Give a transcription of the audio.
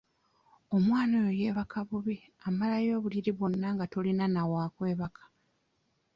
Omwana oyo yeebaka bubi amalayo obuliri bwonna nga tolina na wa kwebaka.